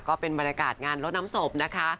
ก็เป็นบรรยากาศงานลดน้ำศพนะคะ